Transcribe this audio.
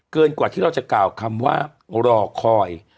กว่าที่เราจะกล่าวคำว่ารอคอย